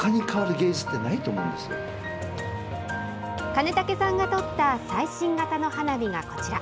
金武さんが撮った最新型の花火がこちら。